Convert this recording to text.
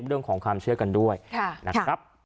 เรื่องของความเชื่อกันด้วยนะครับ